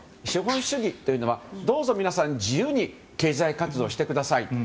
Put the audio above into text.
資本主義というのはどうぞ、皆さん自由に経済活動してください